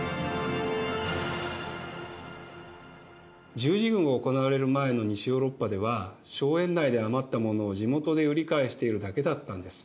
十字軍が行われる前の西ヨーロッパでは荘園内で余った物を地元で売り買いしているだけだったんです。